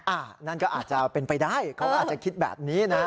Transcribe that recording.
นั่นก็อาจจะเป็นไปได้เขาก็อาจจะคิดแบบนี้นะ